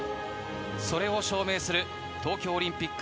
それを証明する東京オリンピック